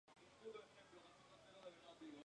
Se cataloga como una extensión de la Falla de Boconó.